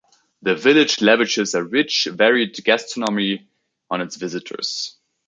The village lavishes a rich, varied gastronomy on its visitors.